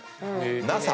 ＮＡＳＡ